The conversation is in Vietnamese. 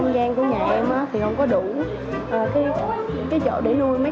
nhìn này nó không có lông